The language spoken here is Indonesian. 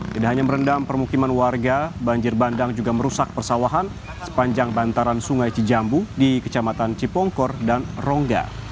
tidak hanya merendam permukiman warga banjir bandang juga merusak persawahan sepanjang bantaran sungai cijambu di kecamatan cipongkor dan rongga